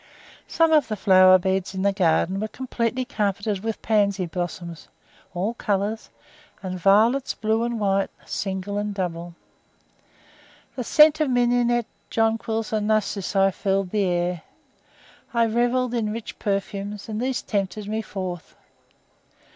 Some of the flower beds in the garden were completely carpeted with pansy blossoms, all colours, and violets blue and white, single and double. The scent of mignonette, jonquils, and narcissi filled the air. I revelled in rich perfumes, and these tempted me forth.